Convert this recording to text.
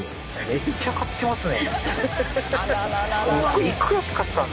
めっちゃ買ってますね。